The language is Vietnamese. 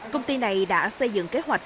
công ty này đã xây dựng kế hoạch